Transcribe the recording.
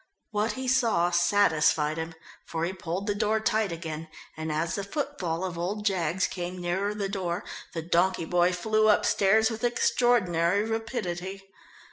What he saw satisfied him, for he pulled the door tight again, and as the footfall of old Jaggs came nearer the door, the donkey boy flew upstairs with extraordinary rapidity.